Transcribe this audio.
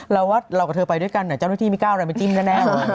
เราว่าเรากับเธอไปด้วยกันเจ้ารุ่นที่มีก้าวอะไรมาจิ้มได้แน่